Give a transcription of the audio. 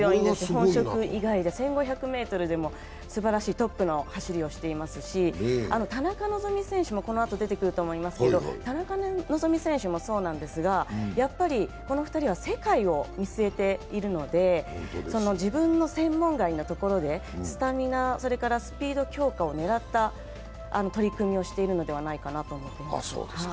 本職以外で１５００ｍでもトップの走りをしていますし、あとで出てくると思いますが田中希実選手もそうなんですが、この２人は世界を見据えているので自分の専門外のところでスタミナ、それからスピード強化を狙った取り組みをしているのではないかと思います。